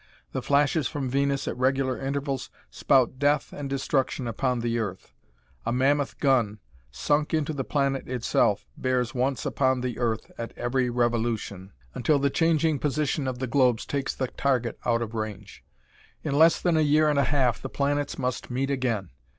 The flashes from Venus at regular intervals spout death and destruction upon the earth; a mammoth gun, sunk into the planet itself, bears once upon the earth at every revolution, until the changing position of the globes take the target out of range. In less than a year and a half the planets must meet again.